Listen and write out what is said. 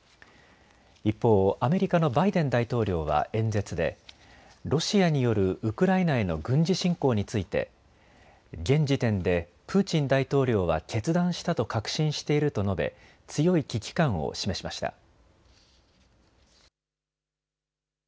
一方、アメリカのバイデン大統領は演説でロシアによるウクライナへの軍事侵攻について現時点でプーチン大統領は決断したと確信していると述べ強い危機感を示しました。